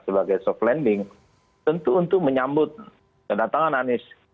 sebagai soft landing tentu untuk menyambut kedatangan anies